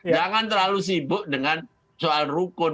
jangan terlalu sibuk dengan soal rukun